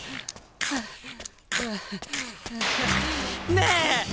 ねえ？